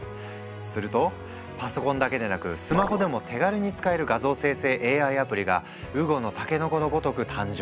するとパソコンだけでなくスマホでも手軽に使える画像生成ＡＩアプリが雨後のたけのこのごとく誕生！